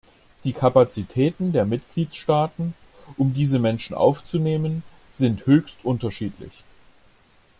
Die Kapazitäten der Mitgliedstaaten, um diese Menschen aufzunehmen, sind höchst unterschiedlich.